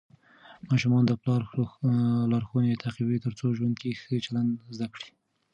ماشومان د پلار لارښوونې تعقیبوي ترڅو ژوند کې ښه چلند زده کړي.